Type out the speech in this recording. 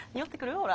ほら？